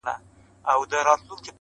د گل خندا ـ